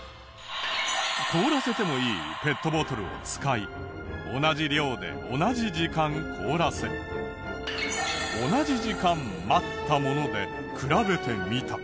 凍らせてもいいペットボトルを使い同じ量で同じ時間凍らせ同じ時間待ったもので比べてみた。